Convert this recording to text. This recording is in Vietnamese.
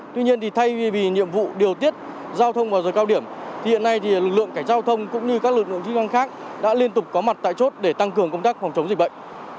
tuy nhiên thì thay vì nhiệm vụ điều tiết giao thông vào giờ cao điểm thì hiện nay thì lực lượng cảnh giao thông cũng như các lực lượng chức năng khác đã liên tục có mặt tại chốt để tăng cường công tác phòng chống dịch bệnh